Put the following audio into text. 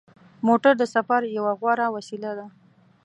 موټر د سفر یوه غوره وسیله ده.